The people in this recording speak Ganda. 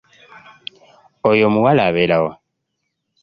Oyo omuwala abeera wa?